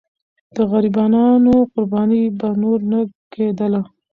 د غریبانو قرباني به نور نه کېدله.